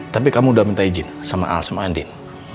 tapi kamu udah minta izin sama al sama andin